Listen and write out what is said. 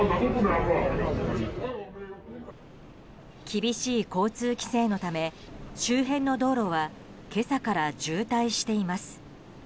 厳しい交通規制のため周辺の道路は今朝から渋滞しています。